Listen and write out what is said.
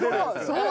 そう！